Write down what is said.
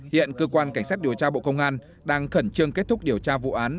hiện cơ quan cảnh sát điều tra bộ công an đang khẩn trương kết thúc điều tra vụ án